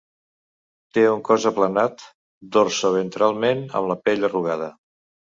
Té un cos aplanat dorsoventralment amb la pell arrugada.